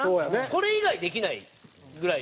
これ以外できないぐらいの。